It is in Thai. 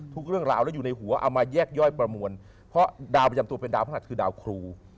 ทุกเรื่องราวแล้วอยู่ในหัวเอามาแยกย่อยประมวลเพราะดาวประจำตัวเป็นดาวพระหัสคือดาวครู